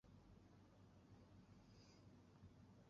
皇家理工学院在科技与工程领域的排名为北欧最强学府。